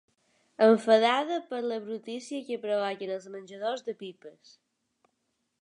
Enfadada per la brutícia que provoquen els menjadors de pipes.